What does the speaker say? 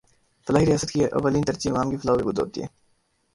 فلاحی ریاست کی اولین ترجیح عوام کی فلاح و بہبود ہوتی ہے۔